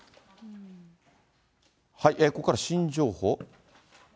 ここからは新情報？